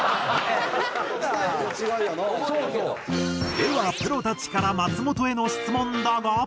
ではプロたちから松本への質問だが。